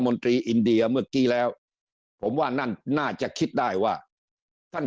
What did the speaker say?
นตรีอินเดียเมื่อกี้แล้วผมว่านั่นน่าจะคิดได้ว่าท่าน